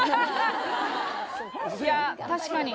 いや確かに。